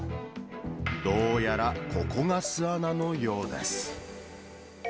どうやらここが巣穴のようです。